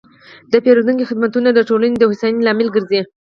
د پیرودونکو خدمتونه د ټولنې د هوساینې لامل ګرځي.